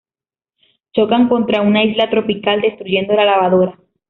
Chocan contra una isla tropical, destruyendo la lavadora.